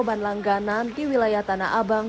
beban langganan di wilayah tanah abang